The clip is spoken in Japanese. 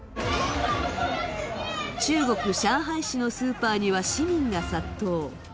中国・上海市のスーパーには市民が殺到。